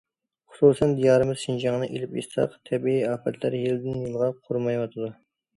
خۇسۇسەن، دىيارىمىز شىنجاڭنى ئېلىپ ئېيتساق، تەبىئىي ئاپەتلەر يىلدىن يىلغا قۇرۇمايۋاتىدۇ.